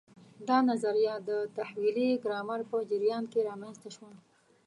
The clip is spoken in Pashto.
دا نظریه د تحویلي ګرامر په جریان کې رامنځته شوه.